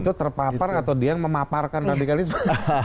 itu terpapar atau dia yang memaparkan radikalisme